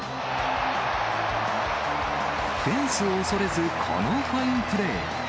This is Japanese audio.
フェンスを恐れず、このファインプレー。